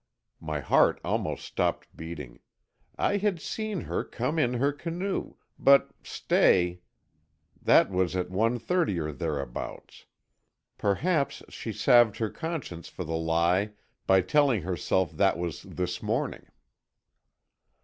My heart almost stopped beating. I had seen her come in her canoe—but stay, that was at one thirty or thereabouts. Perhaps she salved her conscience for the lie by telling herself that was this morning.